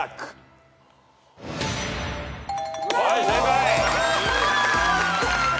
はい正解。